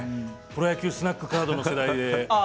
プロ野球スナックカードの世代で。